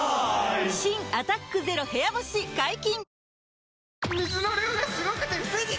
新「アタックＺＥＲＯ部屋干し」解禁‼